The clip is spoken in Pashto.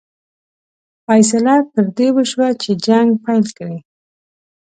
فیصله پر دې وشوه چې جنګ پیل کړي.